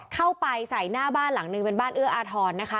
เข้าไปใส่หน้าบ้านหลังนึงเป็นบ้านเอื้ออาทรนะคะ